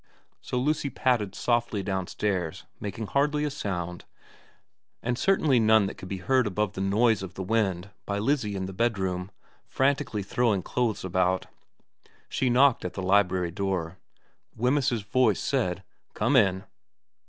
So Lucy padded softly downstairs, making hardly a sound, and certainly none that could be heard above the noise of the wind by Lizzie in the bedroom, frantically throwing clothes about. She knocked at the library door. Wemyss's voice said, ' Come in.'